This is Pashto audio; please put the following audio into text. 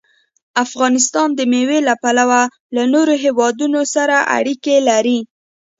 افغانستان د مېوې له پلوه له نورو هېوادونو سره اړیکې لري.